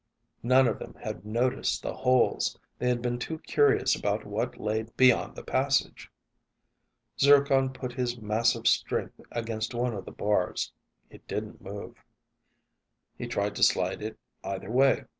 None of them had noticed the holes. They had been too curious about what lay beyond the passage. Zircon put his massive strength against one of the bars. It didn't move. He tried to slide it either way.